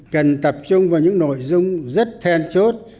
cần tập trung vào những nội dung rất then chốt